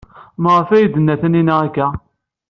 Maɣef ay d-tenna Taninna aya?